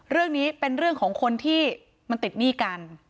เรื่องนี้เป็นเรื่องของคนที่มันติดหนี้กัน